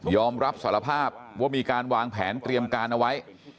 อมรับสารภาพว่ามีการวางแผนเตรียมการเอาไว้